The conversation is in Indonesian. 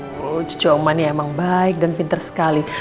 aduh cucu om mani emang baik dan pinter sekali